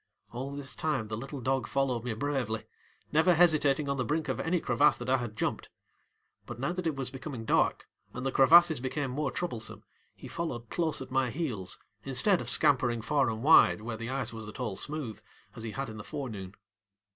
All this time the little dog followed me bravely, never hesitating on the brink of any crevasse that I had jumped, but now that it was becoming dark and the crevasses became more troublesome, he followed close at my heels instead of scampering far and wide, where the ice was at all smooth, as he had in the forenoon.